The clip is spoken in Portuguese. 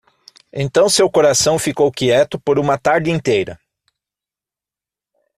Então seu coração ficou quieto por uma tarde inteira.